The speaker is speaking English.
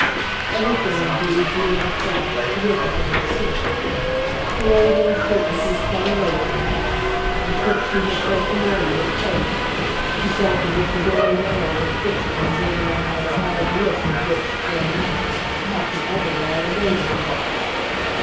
Everything indeed grew in a flash terrific and distinct; her old uncertainties fell away from her, and, since she was so familiar with fate, she felt as if the very nail that fixed it were driven in by the hard look with which, for a moment, Captain Everard awaited her.